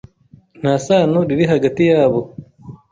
Nta sano riri hagati yabo.